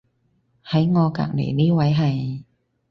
喺我隔離呢位係